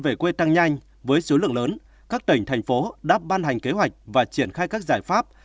về quê tăng nhanh với số lượng lớn các tỉnh thành phố đã ban hành kế hoạch và triển khai các giải pháp